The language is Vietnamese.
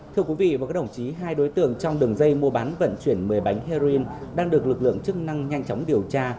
thưa quý vị và các đồng chí hai đối tượng trong đường dây mua bán vận chuyển một mươi bánh heroin đang được lực lượng chức năng nhanh chóng điều tra